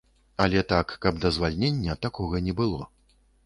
Але так, каб да звальнення, такога не было.